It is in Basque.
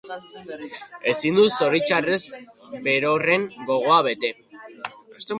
Ezin dut zoritxarrez berorren gogoa bete...